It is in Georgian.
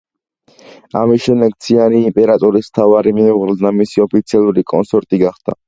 ამის შემდეგ ციანი იმპერატორის მთავარი მეუღლე და მისი ოფიციალური კონსორტი გახდა.